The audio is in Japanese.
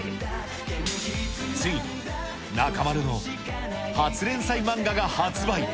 ついに中丸の初連載漫画が発売。